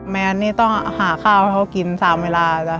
แมนต้องหามือเขากิน๓เวลา